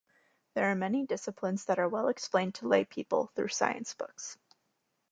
There are many disciplines that are well explained to lay people through science books.